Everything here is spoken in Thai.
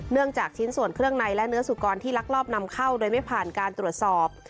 จากชิ้นส่วนเครื่องในและเนื้อสุกรที่ลักลอบนำเข้าโดยไม่ผ่านการตรวจสอบ